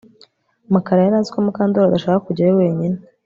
Mukara yari azi ko Mukandoli adashaka kujyayo wenyine